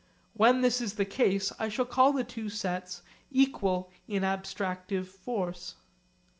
When this is the case I shall call the two sets 'equal in abstractive force.'